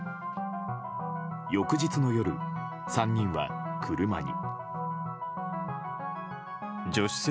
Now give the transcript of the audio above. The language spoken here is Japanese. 翌日の夜、３人は車に。